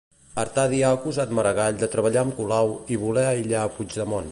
Artadi ha acusat Maragall de treballar amb Colau i voler aïllar Puigdemont.